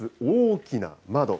大きな窓。